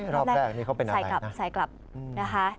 รอบแรกนี่เขาเป็นใส่กลับใส่กลับนะคะ